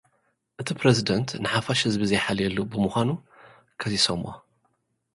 እቲ ፕረሲደንት፡ ንሓፋሽ ህዝቢ ዘይሓልየሉ ብምዃኑ ከሲሶሙዎ።